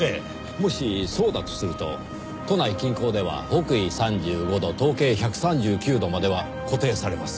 もしそうだとすると都内近郊では北緯３５度東経１３９度までは固定されます。